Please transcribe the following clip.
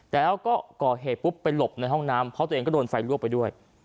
แล้วก็ก่อเหตุปุ๊บไปหลบในห้องน้ำเพราะตัวเองก็โดนไฟลวกไปด้วย